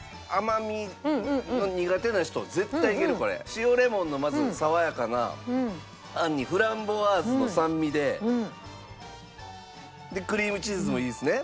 塩レモンのまず爽やかなあんにフランボワーズの酸味ででクリームチーズもいいですね。